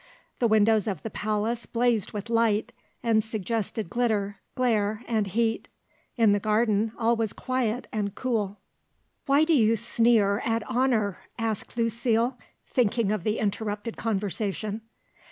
The windows of the palace blazed with light and suggested glitter, glare, and heat; in the garden all was quiet and cool. "Why do you sneer at honour?" asked Lucile, thinking of the interrupted conversation.